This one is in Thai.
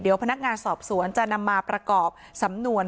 เดี๋ยวพนักงานสอบสวนจะนำมาประกอบสำนวน